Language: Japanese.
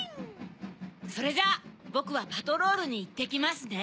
それじゃあボクはパトロールにいってきますね。